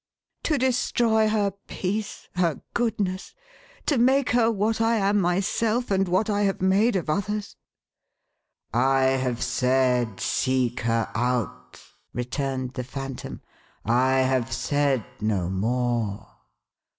" To destroy her peace, her goodness ; to make her what I am myself, and what I have made of others !"" I have said, * seek her out,' " returned the Phantom. " I have said no more.